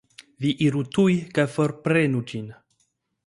Vi iru tuj kaj forprenu ĝin.